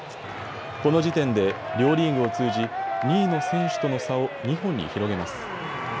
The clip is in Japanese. この時点で両リーグを通じ２位の選手との差を２本に広げます。